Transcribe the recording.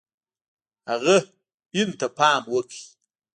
هغه هند ته پام وکړ.